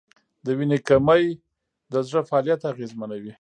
د وینې کمی د زړه فعالیت اغېزمنوي.